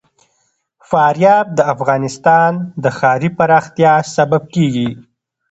فاریاب د افغانستان د ښاري پراختیا سبب کېږي.